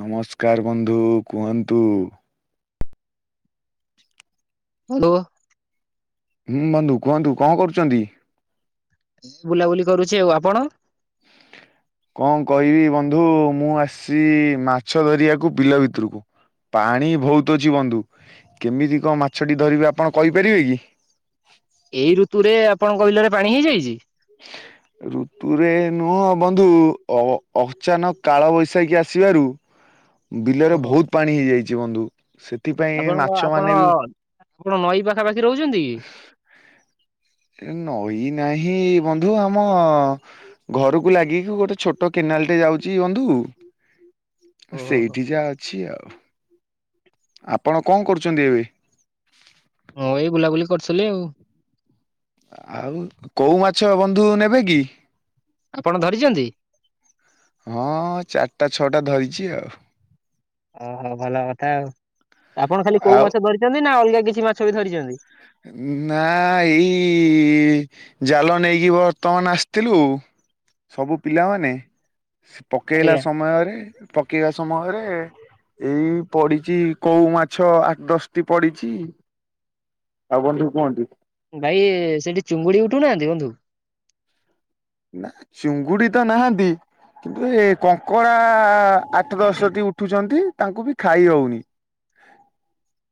ନମସ୍କାର ବନ୍ଧୁ କୁହନ୍ତୁ। ହାଲୋ। ହୁଁ ବନ୍ଧୁ କୁହନ୍ତୁ କଣ କରୁଚନ୍ତି? ବୁଲାବୁଲି କରୁଛି ଆଉ ଆପଣ? କଣ କହିବି ବନ୍ଧୁ ମୁଁ ଆସିଚି ମାଛ ଧରିବାକୁ ବିଲ ଭିତରୁକୁ। ପାଣି ଭୋଉତ ଅଛି ବନ୍ଧୁ କେମିତି କଣ ମାଛଟି ଧରିବି ଆପଣ କହିପାରିବେ କି? ଏଇ ଋତୁରେ ଆପଣଙ୍କ ବିଲରେ ପାଣି ହେଇଯାଇଚି? ଋତୁରେ ନୁହଁ ବନ୍ଧୁ ଅ ଅଚାନକ କାଳ ବୈଶାଖୀ ଆସିବାରୁ ବିଲରେ ଓହୋ ଭୋଉତ୍ ପାଣି ହେଇଯାଇଛି ବନ୍ଧୁ ସେ ଆପଣଙ୍କ ଆପଣ ପଣ ନଈ ପାଖା ପାାଖି ରହୁଛନ୍ତି କି? ନଈ ନାହିଁ ବନ୍ଧୁ ଆମ ଘରକୁ ଲାଗିକି ଗୋଟେ ଛୋଟ କେନାଲ୍ ଟେ ଯାଉଛି, ବନ୍ଧୁ। [inaudible] ଓହୋ ସେଇଠି ଯାହା ଅଛି ଆଉ। ଆପଣ କଣ କରୁଛନ୍ତି ଏବେ? ହଁ ଏଇ ବୁଲାବୁଲି କରିୁଥିଲି ଆଉ। ଆଉ କୋଉ ମାଛ ବନ୍ଧୁ ନେବେ କି? ଆପଣ ଧରିଛନ୍ତି? ହଁ ଚାରିଟା ଛଅଟା ଧରିଛି ଆଉ ଓହୋ ଭଲ କଥା ଆଉ। ଆପଣ ଖାଲି କୋଉ ଆଉ ମାଛ ଧରିଛନ୍ତି। ନା ଅଲଗା କିଛି ମାଛ ବି ଧରିଛନ୍ତି? ନାଆଁ ଏଇ ଜାଲ ନେଇକି ବର୍ତ୍ତମାନ ଆସିଥିଲୁ। ସବୁ ପିଲାମାନେ ପକେଇଲା ଆଜ୍ଞା ସମୟରେ, ପକେଇବା ସମୟରେ ଏଇ ପଡିଛି କୋଉ ମାଛ ଆଠ୍ ଦଶଟି ପଡିଛି। [inaudible] ଆଉ କଣ ଠୁ କୁହନ୍ତି ଭାଇ ସେଇଠି ଚୁଙ୍ଗୁଡି ଉଠୁନାହାନ୍ତି ବନ୍ଧୁ ନା, ଚିଙ୍ଗୁଡି ତ ନାହାନ୍ତି କିନ୍ତୁ ଏ କଙ୍କଡ଼ା ଆଠ ଦଶଟି ଉଠୁଛନ୍ତି, ତାଙ୍କୁ ବି ଖାଇ ହଉନି।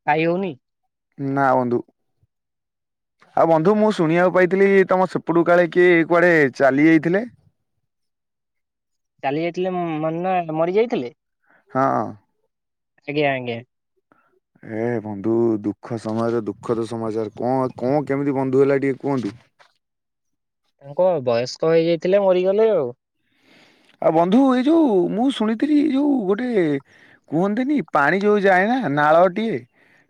ଖାଇ ହେଉନି? ନା, ବନ୍ଧୁ। [inaudible] ଆଉ ବନ୍ଧୁ ମୁଁ ଶୁଣିବାକୁ ପାଇଥିଲି, ତମ ସେପଟୁ କାଳେ କିଏ କୁଆଡେ ଚାଲି ଯାଇଥିଲେ। ଚାଲି ଯାଇଥିଲେ ମାନେ ମରି ଯାଇଥିଲେ? ହଁ, ଆଜ୍ଞା! ଆଜ୍ଞା ଏ ବନ୍ଧୁ ଦୁଃଖ ସମାଜ, ଦୁଃଖ ତ ସମାଚାର, କଣ କଣ କେମିତି ବନ୍ଧୁ ହେଲା ଟିକେ କୁହନ୍ତୁ? ତାଙ୍କ ବୟସ୍କ ହେଇଯାଇଥିଲେ ମରିଗଲେ ଆଉ। ଆଉ ବନ୍ଧୁ ଏଇ ଯୋଉ ମୁଁ ଶୁଣିଥିଲି, ଏ ଯୋଉ ଗୋଟେ କୁହନ୍ତିନି ପାଣି ଯୋଉ ଯାଏନା ନା, ନାଳଟିଏ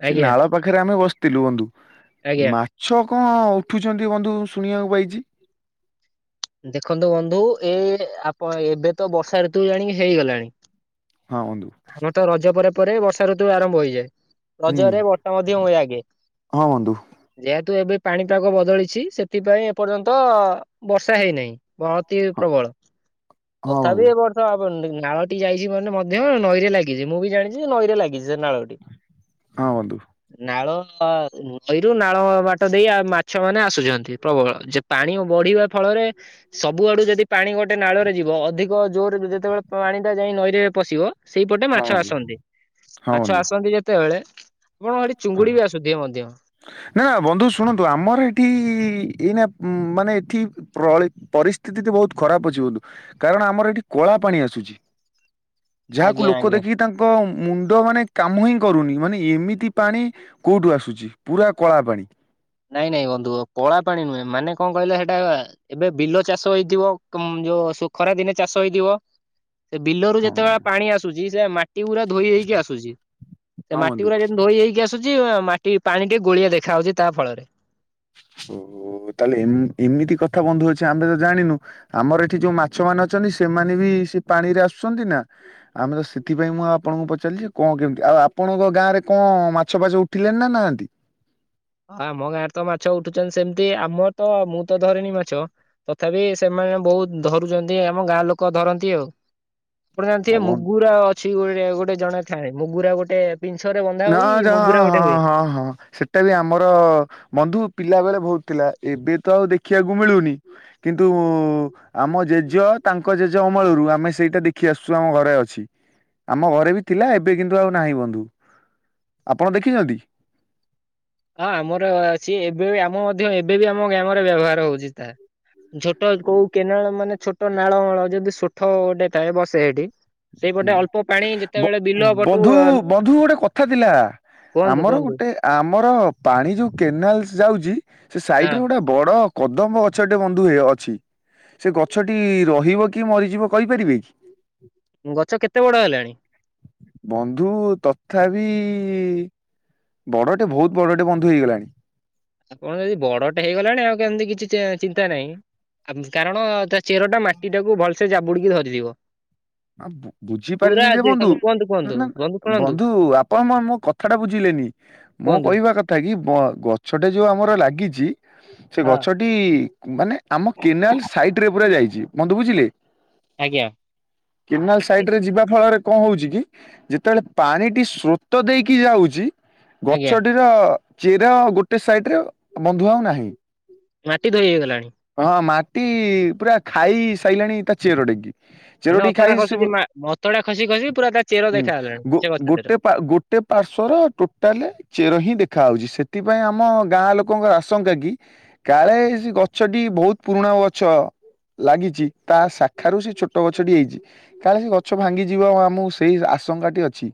ସେ ଆଜ୍ଞା ନାଳ ପାଖରେ ଆମେ ବସିଥିଲୁ ବନ୍ଧୁ, ଆଜ୍ଞା। ମାଛ କଣ ଉଠୁଛନ୍ତି ବନ୍ଧୁ ଶୁଣିବାକୁ ପାଇଛି? ଦେଖନ୍ତୁ ବନ୍ଧୁ -ଏ ଆପଣ ଏବେ ତ ବର୍ଷା ଋତୁ ଜାଣି କି ହେଇଗଲାଣି ହଁ ବନ୍ଧୁ। ଆମ ତ ରଜ ପରେ ପରେ ବର୍ଷା ଋତୁ ଆରମ୍ଭ ହୋଇଯାଏ। ହୁଁ ରଜରେ ବଟ ମଧ୍ୟ ହୁଏ ଆଗେ ହଁ ବନ୍ଧୁ ଯେହେତୁ ଏବେ ପାଣିପାଗ ବଦଳିଛି ସେଥିପାଇଁ ଏପର୍ଯ୍ୟନ୍ତ ବର୍ଷା ହେଇନାହିଁ। ବହତି ହି ହଁ ପ୍ରବଳ, ହଁ ତଥାପି ବନ୍ଧୁ ଏ ବର୍ଷ ନାଳଟି ଯାଇଛି ମାନେ ମଧ୍ୟ, ନଈରେ ଲାଗିଛି ମୁଁ ବି ଜାଣିଛି ନଈରେ ଲାଗିଛି। ଯେ ନାଳଟି ହଁ ବନ୍ଧୁ ନାଳ ନଈରୁ ନାଳ ବାଟ ଦେଇ ମାଛ ମାନେ ଆସୁଛନ୍ତି ପ୍ରବଳ, ଯେ ପାଣି ବଢିବା ଫଳରେ ସବୁଆଡୁ ଯଦି ପାଣି ଗୋଟେ ନାଳରେ ଯିବ ଅଧିକ ଜୋର ଯେତେବେଳେ ପାଣି ଟା ଯାଇ ନଈରେ ପଶିବ ସେଇପଟେ ହଁ ମାଛ ବନ୍ଧୁ ଆସନ୍ତି ହଁ ମାଛ ବନ୍ଧୁ ଆସନ୍ତି ଯେତେବେଳେ ଆପଣଙ୍କ ସେଠି ହଁ, ଚୁଙ୍ଗୁଡି ବି ଆସୁଥିବେ ମଧ୍ୟ। ନା ନା ବନ୍ଧୁ ଶୁଣନ୍ତୁ, ଆମର ଏଠି ଏଇନା ଉ ମାନେ ଏଠି ପ୍ରଳି ପରିସ୍ଥିତି ତ ବହୁତ ଖରାପ ଅଛି, ବହୁତ୍ କାରଣ ଆମର ଏଠି କଳା ପାଣି ଆସୁ ଝି [unintelligible] ଯାହାକୁ ଆଜ୍ଞା ଲୋକ ଆଜ୍ଞା ଦେଖିକି ତାଙ୍କ ମୁଣ୍ଡ ମାନେ କାମ ହିଁ କରୁନି ମାନେ ଏମିତି ପାଣି କୋଉଠୁ ଆସୁଛି? ପୁରା କଳା ପାଣି। ନାଇଁ ନାଇଁ ବନ୍ଧୁ କଳା ପାଣି ନୁହେଁ, ମାନେ କଣ କହିଲା ହେଟା ଏବେ ବିଲ ଚାଷ ହେଇଥିବ ଯୋଉ ସୁ ଖରାଦିନେ ଚାଷ ହେଇଥିବ, ସେ ବିଲରୁ ହଁ ଯେତେବେଳେ ବନ୍ଧୁ ପାଣି ଆସୁଛି ସେ ମା ମାଟି ଗୁରା ଧୋଇ ହେଇକି ଆସୁଛି, ସେ ହଁ ମାଟି ବନ୍ଧୁ ଗୁରା ଯେମିତି ଧୋଇ ହେଇକି ଆସୁଛି ମାଟି ପାଣି ଟିକେ ଗୋଳିଆ ଦେଖା ହଉଛି ତା ଫଳରେ ଓହୋ! ଓ ତାହେଲେ ଏମିତି କଥା ବନ୍ଧୁ ଅଛି, ଆମେ ତ ଜାଣିନୁ, ଆମର ଏଠି ଯୋଉ ମାଛ ମାନ ଅଛନ୍ତି ସେମାନେ ବି କି ସିଏ ପାଣିରେ ଆସୁଚନ୍ତି ନାଁ ଆମେ ତ ସେଥିପାଇଁ ମୁଁ ଆପଣଙ୍କୁ ପଚାରିଲି ଯେ କଁ କେମିତି ଆଉ ଆପଣଙ୍କ ଗାଁରେ କଁ ମାଛ ଫାଛ ଉଠିଲେଣି ନାଁ ନାହାନ୍ତି? ଆମ ଗାଁରେ ତ ମାଛ ଉଠୁଚନ୍ତି ସେମତି ଆମ ତ ମୁଁ ତ ଧରେନି ମାଛ ତଥାପି ସେମା ଏଣେ ବୋହୁତ ଧରୁଚନ୍ତି ଆମ ଗାଁ ଲୋକ ଧରନ୍ତି ଆଉ। ଗୋଟେ ଆଉ ଜାଣିଥିବେ ବନ୍ଧୁ ମୁଗୁରା ଅଛି ଗୋରେ ଗୋଟେ ଜଣେ ଥାଏ ମୁଗୁରା ଗୋଟେ ପିଂଛରେ ବନ୍ଧା ନାଁ ହୋଇ ଯା ମୁଗୁରା ହଁ, ଗୋଟେ ହଁ, ହୁଏ। ହଁ, ହଁ ସେଟା ବି ଆ ମର ବନ୍ଧୁ ପିଲା ବେଳେ ଭୋଉତ ଥିଲା ଏବେ ତ ଆଉ ଦେଖିବାକୁ ମିଳୁନି କିନ୍ତୁ ଉ ଆମ ଜେଜ ତାଙ୍କ ଜେଜ ଅମଳରୁ ଆମେ ସେଇଟା ଦେଖି ଆସୁଚୁ ଆମ ଘରେ ଅଛି। ଆମ ଘରେ ବି ଥିଲା ଏବେ କିନ୍ତୁ ଆଉ ନାହିଁ ବନ୍ଧୁ। ଆପଣ ଦେଖିଚନ୍ତି? ହଁ ଆମର ଅଛି ଏବେ ବି ଆମ ମଧ୍ୟ ଏବେ ବି ଆମ ଗ୍ରାମରେ ବ୍ୟବହାର ହଉଚି ତାହା। ଛୋଟ କୋଉ ହୁଁ କେନାଳ ମାନେ ଛୋଟ ନାଳ ମଳ ଯଦି ସୋଠ ଗୋଟେ ଥାଏ ବସେ ହେଠି। ହୁଁ ବ ପଟୁ ବନ୍ଧୁ ବନ୍ଧୁ ଗୋଟେ କଥା ଥିଲା। କୁହନ୍ତୁ ଆମର କୁହନ୍ତୁ ଗୋଟେ ଆମର ପାଣି ଯୋଉ କେନାଲସ୍ ଯାଉଚି ସେ ହଁ। ସାଇଟ୍ ରେ ଗୋଟେ ବଡ଼ କଦମ୍ବ ଗଛଟେ ବନ୍ଧୁ ହେ ଅଛି। ସେ ଗଛଟି ରହିବ କି ମରିଯିବ କହିପାରିବେ? ଗଛ କେତେ ବଡ ହେଲାଣି? ବନ୍ଧୁ ତଥାପି ଇ ବଡ଼ଟେ ଭୋଉତ ବଡ଼ଟେ ବନ୍ଧୁ ହେଇଗଲାଣି। ଆପଣ ଯଦି ବଡ଼ଟେ ହେଇଗଲାଣି ଆଉ କେମତି କିଛି ଚେ ଚିନ୍ତା ନାଇଁ। ଆ କାରଣ ତା ଚେରଟା ମାଟିଟାକୁ ଭଲସେ ଜାବୁଡ଼ିକି ଧରିଥିବ। ଅ ବୁ ପୁରା ବୁଝିପାରିଲି ଯେ ବନ୍ଧୁ ଦେଖନ୍ତୁ କୁହନ୍ତୁ କୁହନ୍ତୁ ନାଁ ଶୁଣନ୍ତୁ ବନ୍ଧୁ ଆପଣ ମୋ ମୋ କଥାଟା ବୁଝିଲେନି ମୁଁ କୁହନ୍ତୁ କହିବା କଥା କି ବ ଗଛଟେ ଯୋଉ ଆ ମର ଲାଗିଚି ସେ ହଁ ଗଛଟି ମାନେ ଆମ କେନାଲ୍ ସାଇଟ୍ ରେ ପୁରା ଯାଇ ଚି ବନ୍ଧୁ ବୁଝିଲେ? ଆଜ୍ଞା। କେନାଲ୍ ସାଇଟ୍ ରେ ଯିବା ଫଳରେ କଁ ହଉଚି କି ଯେତଳେ ପାଣିଟି ସ୍ରୋତ ଦେଇକି ଯାଉଚି ଆଜ୍ଞା ଗଛଟିର ଚେର ଗୋଟେ ସାଇଟ୍ ରେ ବନ୍ଧୁ ଆଉ ନାହିଁ। ମାଟି ଧୋଇ ହେଇଗଲାଣି। ଟି ପୁରା ଖାଇ ସାଇଲାଣି ତା ଚେରଡେକି। ମାନେ ଚେରଟି ଅତଡା ଖାଇ ଖସୁଛି ସୁବୁ ମା ଅତଡା ଖସି ଖସି ପୁରା ତା ଚେର ହୁଁ ଦେଖାଗଲାଣି ଗୋ ସେ ଗଛଟିର। ଗୋଟେ ପା ଗୋଟେ ଏ ପାର୍ଶ୍ଵର ଟୋଟାଲେ ଚେର ହିଁ ଦେ ଖା ହଉଚି ସେଥିପାଇଁ ଆମ ଗାଁ ଲୋକଙ୍କର ଆଶଙ୍କା କି କାଳେ ଏଇ ଗଛଟି ବୋହୁତ ପୁରୁଣା ଗଛ। ଲାଗିଚି ତା ଶାଖାରୁ ସେ ଛୋଟ ଗଛଟି ହେଇଚି କାଲେ ସେ ଗଛ ଭାଙ୍ଗିଯିବ ଆଉ ଆମୁକୁ ସେଇ ଆ ଶଙ୍ଗାଟି ଅଛି।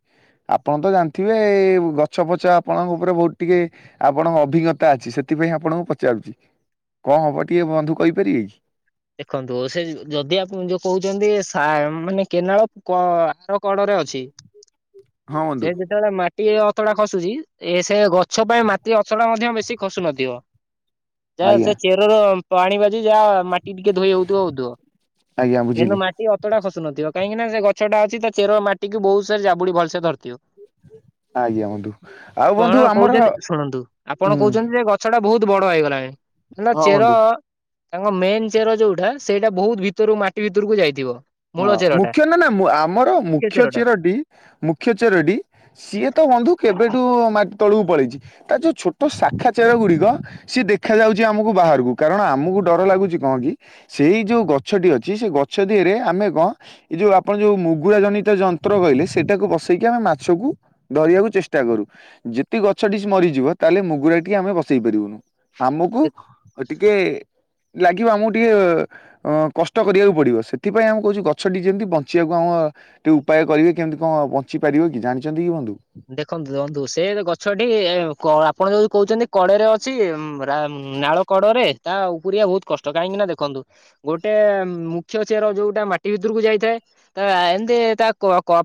ଆପଣ ତ ଜାଣିଥିବେ ଏ ଗଛ ପଛ ଆପଣଙ୍କ ଓପରେ ବୋହୁତ ଟିକେ ଆପଣଙ୍କ ଅଭିଜ୍ଞତା ଅଛି ସେଥି ତିପାଇଁ ଆପଣଙ୍କୁ ପଚାରୁଚି କଁ ହବ ଟିକେ ବନ୍ଧୁ କହିପାରିବେ କି? ଦେଖନ୍ତୁ ସେ ଯଦି ଆପଣ ଯୋଉ କୋହୁଚନ୍ତି ସା ମାନେ କେନାଳ କ ଆର କଡ଼ରେ ଅଛି ହଁ ବନ୍ଧୁ ସେ ଯେତଳେ ମା ଇଏ ଅତଡ଼ା ଖସୁଚି ଏ ସେ ଗଛ ପାଇଁ ମାଟି ଅତଡ଼ା ମଧ୍ୟ ବେଶୀ ଖସୁନଥିବ। ଯାହା ଆଜ୍ଞା। ସେ ଚେରର ପାଣି ବାଜି ଯାହା ମା ଇ ଟିକେ ଧୋଇ ହୋଉଥୁବ ହୋଉଥୁବ ଆଜ୍ଞା ଏ ନ୍ତୁ ବୁଝିଲି ମାଟି ଅତଡ଼ା ଖ ସୁନଥିବ କାହିଁକି ନାଁ ସେ ଗଛଟା ଅଛି ତା ଚେର ମାଟିକୁ ବୋହୁସୋରେ ଜାବୁଡ଼ି ଭଲସେ ଧରିଥିବ। ଆଜ୍ଞା ବନ୍ଧୁ ଆଉ କଣ ବନ୍ଧୁ ଆମର କୋହୁଛନ୍ତି ଶୁଣନ୍ତୁ ଆପଣ ହୁଁ କୋହୁଛନ୍ତି ଯେ ଗଛଟା ବୋହୁତ ବଡ଼ ହେଇଗଲାଣି ହେଲା ହଁ ଚେର ବନ୍ଧୁ ତାଙ୍କ ମେନ୍ ଚେର ଯୋଉଟା ସେଇଟା ବୋହୁତ ଭିତରୁ ମାଟି ଭିତରୁକୁ ଯାଇଥିବ। ମୂଳ ହଁ ଚେରଟା ମୁଖ୍ୟ ନାଁ ନାଁ ମୁ ଆମର ମୁଖ୍ୟ ଚେରଟି ମୁଖ୍ୟ ଚେରଟି ସିଏ ତ ବନ୍ଧୁ କେବେଠୁ ମା ତଳକୁ ପଳେଇଛି, ତା ଯୋଉ ଛୋଟ ଶାଖା ଚେର ଗୁଡିକ ସିଏ ଦେଖାଯାଉଛି ଆମକୁ ବାହାରକୁ, କାରଣ ଆମକୁ ଡର ଲାଗୁଛି କଣ କି -ସେଇ ଯୋଉ ଗଛଟି ଅଛି ସେ ଗଛ ଦିହରେ ଆମେ କଣ, ଏ ଯୋଉ ଆପଣ ଯୋଉ ମୁଗୁରା ଜନିତ ଯନ୍ତ୍ର କହିଲେ, ସେଇଟାକୁ ବସେଇକି ଆମେ ମାଛକୁ କରିବାକୁ ଚେଷ୍ଟା କରୁ, ଯେତି ଗଛ ମରିଯିବ, ତାହେଲେ ମୁଗୁରା ଟିକେ ଆମେ ବସେଇ ପାରିବୁନୁ। ଆମକୁ ଟିକେ ଲାଗିବ ଆମକୁ ଟିକେ ଅ କଷ୍ଟ କରିବାକୁ ପଡିବ, ସେ [unintelligible] ଦେଖନ୍ତୁ ଦେଖନ୍ତୁ ସେ ଗଛଟି ଆପଣ ଯୋଉ କହୁଛନ୍ତି, କଡରେ ଅଛି ନାଳ କଡରେ ତା ଉପରିଆ ବହୁତ କଷ୍ଟ, କାହିଁକି ନା ଦେଖନ୍ତୁ ଗୋଟେ ମୁଖ୍ୟ ଚେର ଯୋଉଟା ମାଟି ଭିତରକୁ ଯାଇଥାଏ ତା ଏମିତି ତା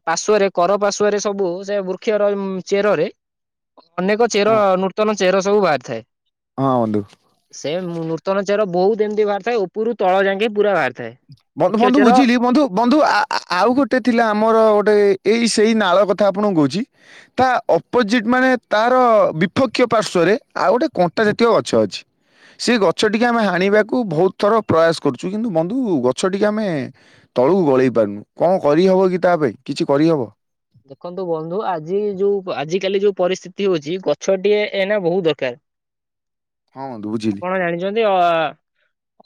ପାଶ୍ଵରେ କର ପାଶ୍ଵରେ ସବୁ ସେ ବୃ ବୃକ୍ଷର ଚେରରେ, ଅନେକ ଚେର ହଁ ନୂତନ ଚେର ସବୁ ବାହାରିଥାଏ। ହଁ ବନ୍ଧୁ ସେ ନୂତନ ଚେର ବହୁତ ଏମିତି ବାହାରିଥାଏ, ଉପରୁ ତଳ ଯାକେ ପୁରା ବାହାରି ବନ୍ଧୁ, ବନ୍ଧୁ ବୁଝିଲି, ବନ୍ଧୁ, ବନ୍ଧୁ, ଆଉ ଗୋଟେ ଥିଲା ଆମର ଗୋଟେ ଏଇ ସେଇ ନାଳ କଥା ଆପଣଙ୍କୁ କହୁଛି, ତା ଅପୋଜିଟ୍ ମାନେ ତାର ବିପକ୍ଷ ପାର୍ଶ୍ଵ ରେ ଆଉ ଗୋଟେ କଣ୍ଟା ଜାତୀୟ ଗଛ ଅଛି। ସେ ଗଛ ଟିକେ ଆମେ ହାଣିବାକୁ ବହୁତ ଥର ପ୍ରୟାସ କରୁଛୁ, କିନ୍ତୁ କୁ ଗଛ ଟିକେ ଆମେ ତଳକୁ ଗଳେଇ ପାରୁନୁ, କଣ କରିହବ କି ତା ପାଇଁ, କିଛି କରିହବ? ଦେଖନ୍ତୁ ବନ୍ଧୁ ଆଜି ଯୋଉ ଆଜି କାଲି ଯୋଉ ପରିସ୍ଥିତି ହଉଛି, ଗଛଟିଏ ଏନା ବହୁତ ଦରକାର। ହଁ ବନ୍ଧୁ ବୁଝିଲି। ଆପଣ ଜାଣିଛନ୍ତି ଅ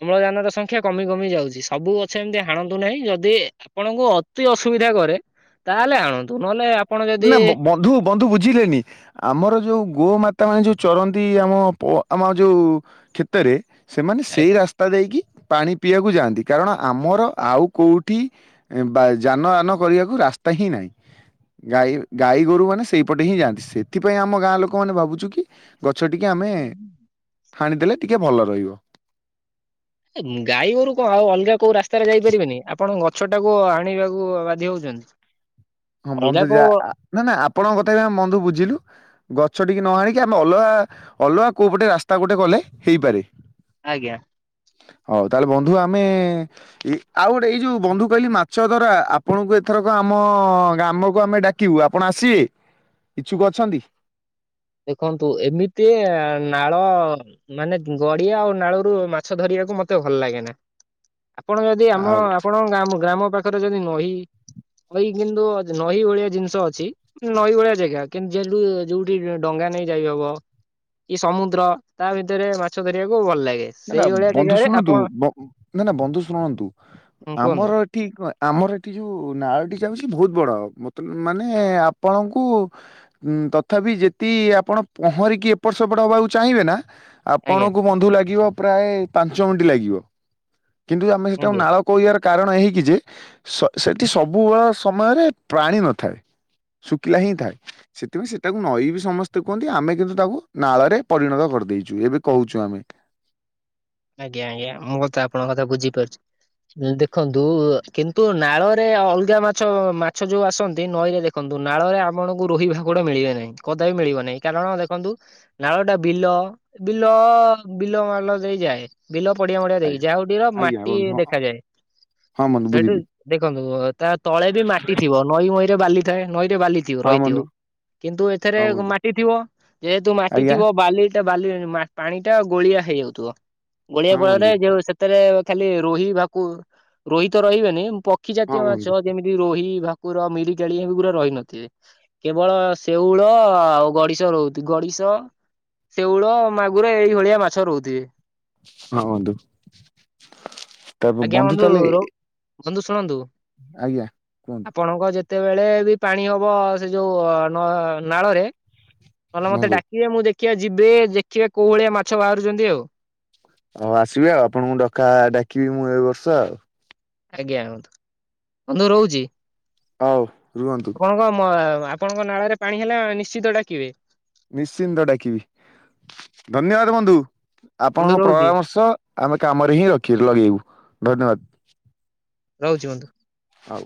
ଅମ୍ଳଜାନର ସଂଖ୍ୟା କମି କମି ଯାଉଛି, ସବୁ ଗଛ ଏମିତି ହାଣନ୍ତୁ ନାହିଁ, ଯଦି ଆପଣଙ୍କୁ ଅତି ଅସୁବିଧା କରେ ତାହେଲେ ଆଣୁ ନା ବନ୍ଧୁ, ବନ୍ଧୁ ବୁଝିଲେନି, ଆମର ଯୋଉ ଗୋ ମାତା ମାନେ ଯୋଉ ଚରନ୍ତି, ଆମ ଆମ ଯେଉ କ୍ଷେତରେ, ସେମାନେ ଏ ସେଇ ରାସ୍ତା ଦେଇକି ପାଣି ପିଇବାକୁ ଯାଆନ୍ତି, କାରଣ ଆମର ଆଉ କଉଠି ବା ଯାନଆନ କରିବାକୁ ରାସ୍ ତା ହିଁ ନାହିଁ। ହ [inaudible] ଗାଈ, ଗାଈ ଗୋରୁ ମାନେ ସେଇପଟେ ହିଁ ଯାଆନ୍ତି ସେଥିପାଇଁ ଆମ ଗାଁ ଲୋକମାନେ ଭାବୁଛୁ କି ଗଛ ଟିକି ଆମେ ହାଣିଦେଲେ, ଟିକେ ଭଲ ରହିବ। ଗାଈ ଗୋରୁ କଣ, ଆଉ ଅଲଗା କୋଉ ରାସ୍ତାରେ ଯାଇପାରିବେନି, ଆପଣ ଗଛଟାକୁ ଆଣିବାକୁ ବାଧ୍ୟ ହଉଛନ୍ତି। ହଁ ଅଲଗା ବନ୍ଧୁ, ଯା କୋଉ ନା ନା ଆପଣଙ୍କ କଥା ବି ଆମେ ବନ୍ଧୁ ବୁଝିଲୁ ଗ ଗଛଟିକି ନ ହାଣିକି ଆମେ ଅଲଗା ଅଲଗା କୋଉ ପଟେ ରାସ୍ତା ଗୋଟେ ଗଲେ ହେଇପାରେ। ଆଜ୍ଞା। ହଉ, ତାହେଲେ ବନ୍ଧୁ, ଆମେ ଏ ଆଉ ଗୋଟେ ଏଇ ଯୋଉ ବନ୍ଧୁ କହିଲି ମାଛ ଧରା ଆପଣଙ୍କୁ ଏଥରକ ଆମ ଗ୍ରାମକୁ ଆମେ ଡାକିବୁ ଆପଣ ଆସିବେ, ଇଛୁକ ଅଛନ୍ତି? ଦେଖନ୍ତୁ ଏମିତି ନାଳ ମାନେ ଗଡିଆ ଆଉ ନାଳରୁ ମାଛ ଧରିବା ମତେ ଭଲଲାଗେନା, ଆପଣ ଯଦି ଆମ ଆଉ ଆପଣଙ୍କ ଗ୍ରାମ ପାଖ ପାଖରେ ଯଦି ନଈ ଏଇ କିନ୍ତୁ ନଈ ଭଳିଆ ଜିନିଷ ଅଛି, ନଈ ଭଳିଆ ଜାଗା କିନ୍ତୁ ଯେଠୁ ଯୋଉଠି ଡଙ୍ଗା ନେଇ ଯାଇହବ କି ସମୁଦ୍ର, ତା ଭିତରେ ମାଛ ଧରିବାକୁ ଭଲ ଲାଗେ। ନା ନା ସେଇଭଳିଆ ବନ୍ଧୁ ଜାଗାରେ ଶୁଣନ୍ତୁ, ଆପଣ ନା ନା ବନ୍ଧୁ ଶୁଣନ୍ତୁ, ହଁ କୁହନ୍ତୁ ଆମର ଏଠି କଣ ଆମର ଏଠି ଯେଉଁ ନାଳଟି ଯାଉଛି ବହୁତ ବଡ଼, ମତ ମାନେ ଆପଣଙ୍କୁ ତଥାପି ଯେତିକି ଆପଣ ପହଁରିକି ଏପଟ ସେପଟ ହେବାକୁ ଚାହିଁବେ ନା ଆଜ୍ଞା ଆପଣଙ୍କୁ ବନ୍ଧୁ ଲାଗିବ ପ୍ରାୟ ପାଞ୍ଚ ମିନିଟ ଲାଗିବ। କିନ୍ତୁ ଆମେ ସେଠାକୁ ଆଜ୍ଞା। ନାଳ କହିବାର କାରଣ ଏହିକି ଯେ- ସେଠି ସବୁବେଳ ସମୟରେ ପ୍ରାଣୀ ନଥାଏ। ଶୁଖିଲା ହିଁ ଥାଏ, ସେଥିପାଇଁ ସେଟାକୁ ନଈ ବିି ସମସ୍ତେ କୁହନ୍ତି, ଆମେ କିନ୍ତୁ ତାକୁ ନାଳରେ ପରିଣତ କର ଦେଇଛୁ, ଏବେ କହୁଛୁ ଆମେ। ଆଜ୍ଞା, ଆଜ୍ଞା, ମୁଁ କଥା ଆପଣଙ୍କ କଥା ବୁଝିପାରୁଛି। ଦେଖନ୍ତୁ, କିନ୍ତୁ ନାଳରେ ଅଲଗା ମାଛ, ମାଛ ଯୋଉ ଆସନ୍ତି ନଈରେ ଦେଖନ୍ତୁ ନାଳରେ ଆପଣଙ୍କୁ ରୋହି ଭାକୁ଼ଡ଼ ମିଳିବେ ନାହିଁ କଦାପି ମିଳିବ ନାହିଁ କାରଣ ଦେଖନ୍ତୁ ନାଳଟା ବିଲ ବିଲ ବିଲ ମାଲ ଦେଇ ଯାଏ ବିଲ ପଡିଆ ମଡିଆ ଦେଇକି ଆଜ୍ଞା ଯାହା ହଉଠିର ଆଜ୍ଞା ମାଟି ବନ୍ଧୁ ହଁ ଦେଖାଯାଏ ହଁ ବନ୍ଧୁ ସେଇଠୁ ବୁଝିଲି ଦେଖନ୍ତୁ ତା ତଳେ ବି ମାଟି ଥିବ ନଈମଇ ରେ ବାଲି ଥାଏ ନଈ ବାଲିଥିବ ହଁ ରହିଥିବ ବନ୍ଧୁ କିନ୍ତୁ ଏଥିରେ ହଁ ବନ୍ଧୁ ମାଟି ଥିବ ଯେହେତୁ ମାଟି ଆଜ୍ଞା ଥିବ ବାଲିଟା ବାଲି ମା ପାଣି ଟା ଗୋଳିଆ ହେଇଯାଉଥିବ ଗୋଳିଆ ହଁ ଫଳରେ ବନ୍ଧୁ ଯୋଉ ସେଥିରେ ଖାଲି ରୋହି ଭାକୁ ରୋହି ତ ରହିବେନି ପକ୍ଷୀ ଜାତୀୟ ହଁ ମାଛ ବନ୍ଧୁ ଯେମିତି ରୋହି ଭା କୁର ମିରିିକାଳି ଏଗୁରା ରହିନଥିବେ କେବଳ ଶେଉଳ ଆଉ ଗଡିଶ ରହୁଛି ଗଡିଶ ଶ ଶେଉଳ ମାଗୁର ଏଇଭଳିଆ ମାଛ ରହୁଥିବେ ହଁ ବନ୍ଧୁ ତାପ ଆଜ୍ଞା ବନ୍ଧୁ ତାହଲେ ରହୁ ବନ୍ଧୁ ଶୁଣନ୍ତୁ। ଆଜ୍ଞା କୁହନ୍ତୁ। ସେତେବେଳେ ବି ପାଣି ହବ ସେ ଯୋଉ ନ ନାଳରେ ନହେଲେ ମତେ ବନ୍ଧୁ। ଡାକିବେ ମୁଁ ଦେଖିବା ଯିବେ ଦେଖିବେ କୋଉ ଭଳିଆ ମାଛ ବାହାରୁଛନ୍ତି ଆଉ ହଉ ଆସିବି ଆଉ ଆପଣଙ୍କୁ ଡକା ଡାକିବି ମୁଁ ଏ ବର୍ଷ ଆଉ ଆଜ୍ଞା ରୁହନ୍ତୁ ବନ୍ଧୁ ରହୁଛି ହଉ ରୁହନ୍ତୁ। ଆପଣଙ୍କ ମ ଆପଣଙ୍କ ନାଳରେ ପାଣି ହେଲେ ନିଶ୍ଚିତ ଡାକିବେ ନିଶ୍ଚିନ୍ତ ଡାକିବି ଧନ୍ୟବାଦ ବନ୍ଧୁ ବନ୍ଧୁ ଆପଣଙ୍କ ରହୁଛି ପ୍ରରାମର୍ଶ ଆମେ କାମରେ ହିଁ ରଖି ଲଗେଇବୁ ଧନ୍ୟବାଦ ରହୁଛି ବନ୍ଧୁ ହଉ।